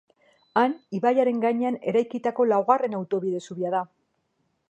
Han ibaiaren gainean eraikitako laugarren autobide zubia da.